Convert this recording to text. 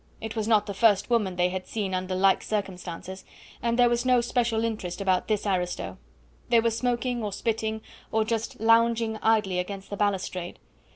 It was not the first woman's face they had seen under like circumstances, and there was no special interest about this aristo. They were smoking or spitting, or just lounging idly against the balustrade.